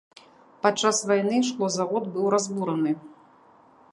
Падчас вайны шклозавод быў разбураны.